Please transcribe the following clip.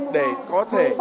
để có thể